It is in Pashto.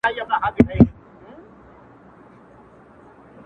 • زه ښکاري یم زه به دام څنګه پلورمه ,